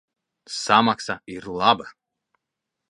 Samaksa ir laba.